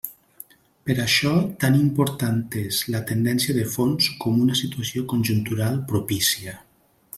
Per això, tan important és la tendència de fons com una situació conjuntural propícia.